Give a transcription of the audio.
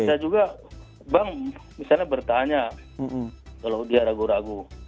bisa juga bank misalnya bertanya kalau dia ragu ragu